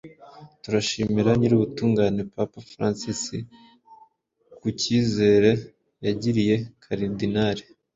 Turashimira Nyirubutungane Papa Francis ku kizere yagiriye Karidinali